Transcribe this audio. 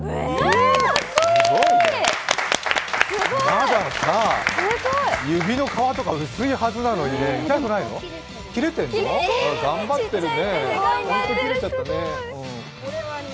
まだ指の皮とか薄いはずなのに、痛くないの？切れてるの？頑張ってるね。